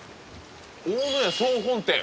大野屋總本店